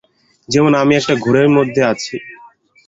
যেমন আমি একটা ঘোরের মধ্যে আছি।